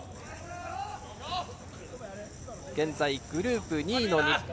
現在、グループ２位の日本。